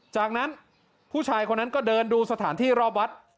จากนั้นผู้ชายคนนั้นก็เดินดูสถานที่รอบวัด